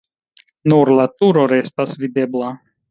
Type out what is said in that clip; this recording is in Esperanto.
Nur la turo restas videbla.